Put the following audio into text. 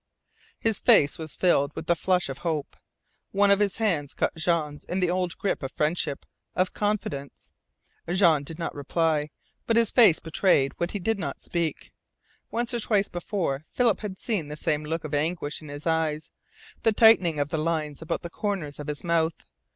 His face was filled with the flush of hope. One of his hands caught Jean's in the old grip of friendship of confidence. Jean did not reply. But his face betrayed what he did not speak. Once or twice before Philip had seen the same look of anguish in his eyes, the tightening of the lines about the corners of his mouth.